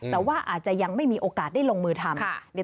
แต่ว่าอาจจะยังไม่มีโอกาสได้ลงมือทำ